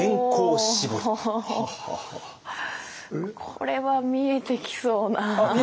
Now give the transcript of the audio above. これは見えてきそうな。